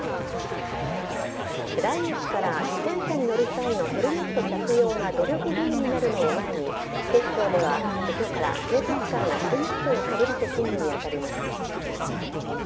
来月から自転車に乗る際のヘルメット着用が努力義務になるのを前に警視庁では今日から警察官がヘルメットをかぶって勤務に当たります。